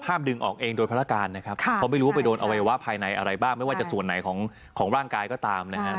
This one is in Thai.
ดึงออกเองโดยภารการนะครับเพราะไม่รู้ว่าไปโดนอวัยวะภายในอะไรบ้างไม่ว่าจะส่วนไหนของร่างกายก็ตามนะฮะ